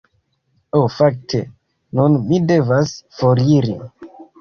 Ho fakte, nun mi devas foriri.